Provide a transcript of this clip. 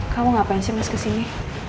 kamu ngapain sih mas kesini